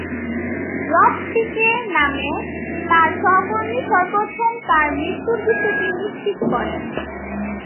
রব পিকে নামে তার সহকর্মী সর্বপ্রথম তার মৃত্যুর বিষয়টি নিশ্চিত করেন।